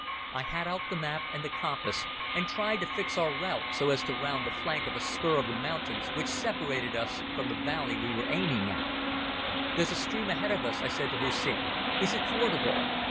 I had out the map and the compass, and tried to fix our route so as to round the flank of a spur of the mountains which separated us from the valley we were aiming at. "There's a stream ahead of us," I said to Hussin. "Is it fordable?"